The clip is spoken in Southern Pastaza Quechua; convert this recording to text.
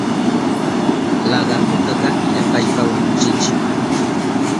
Lagartutaka illapashpa wañuchinchi.